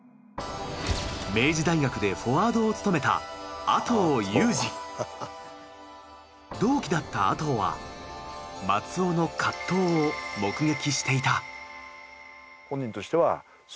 明治大学でフォワードを務めた同期だった阿刀は松尾の葛藤を目撃していた。